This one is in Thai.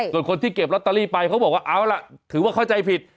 ส่วนคนที่เก็บลอตเตอรี่ไปเขาบอกว่าเอาล่ะถือว่าเข้าใจผิด